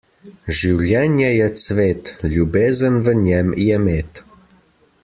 Življenje je cvet, ljubezen v njem je med.